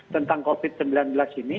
tentang covid sembilan belas ini